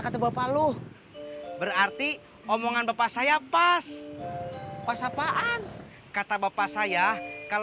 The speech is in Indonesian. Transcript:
kita mulai masuk domates ya